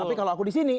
tapi kalau aku di sini